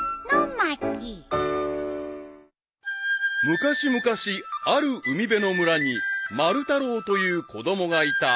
［昔々ある海辺の村にまるたろうという子供がいた］